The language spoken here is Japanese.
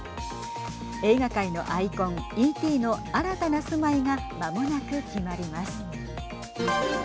映画界のアイコン、Ｅ．Ｔ．の新たな住まいがまもなく決まります。